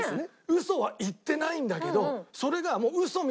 ウソは言ってないんだけどそれが。